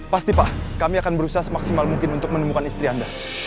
pasti pak kami akan berusaha semaksimal mungkin untuk menemukan istri anda